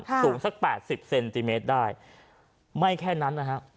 สูงสักแปดสิบเซนติเมตรได้ไม่แค่นั้นนะฮะ